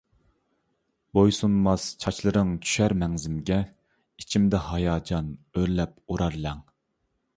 بويسۇنماس چاچلىرىڭ چۈشەر مەڭزىمگە، ئىچىمدە ھاياجان ئۆرلەپ ئۇرار لەڭ.